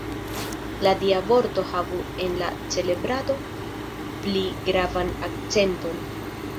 La Dia Vorto havu en la celebrado pli gravan akcenton.